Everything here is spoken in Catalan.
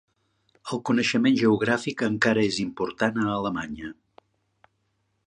El coneixement geogràfic encara és important a Alemanya.